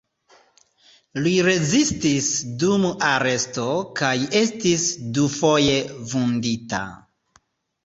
Li rezistis dum aresto kaj estis dufoje vundita.